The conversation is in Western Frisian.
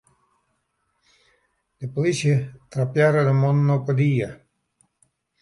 De polysje trappearre de mannen op 'e die.